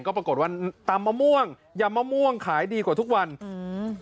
ก็ปรากฏว่าตำมะม่วงยำมะม่วงขายดีกว่าทุกวันอืม